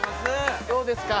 どうですか？